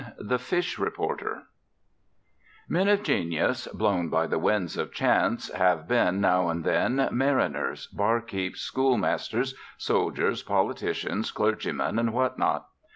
I THE FISH REPORTER Men of genius, blown by the winds of chance, have been, now and then, mariners, bar keeps, schoolmasters, soldiers, politicians, clergymen, and what not.